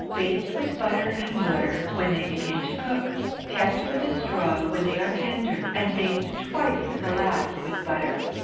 Baste with butter and water when they begin to cook. Test with a straw when they are tender, and baste twice at the last with butter.